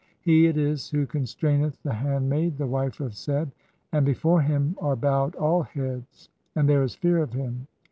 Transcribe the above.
He it is who constraineth "the handmaid, the wife of Seb, and before him are bowed "[all] heads, and there is fear of him.